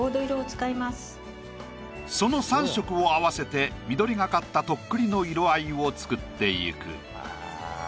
その３色を合わせて緑がかったとっくりの色合いを作っていく。